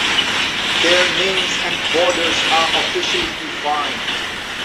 Their names and borders are officially defined.